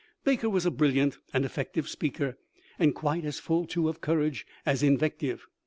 Baker v^as a brilliant and effective speaker, and quite as full too of courage as invective.